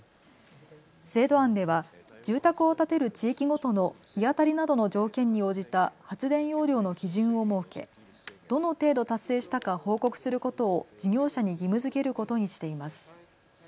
制度案では住宅を建てる地域ごとの日当たりなどの条件に応じた発電容量の基準を設けどの程度達成したか報告することを事業者に義務づけることにしています。